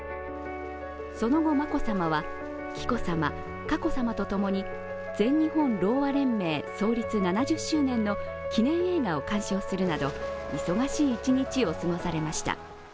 その後、眞子さまは紀子さま、佳子さまと共に全日本ろうあ連盟創立７０周年の記念映画を鑑賞するなど忙しい一日を過ごされました。